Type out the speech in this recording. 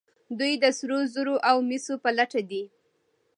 دوی د سرو زرو او مسو په لټه دي.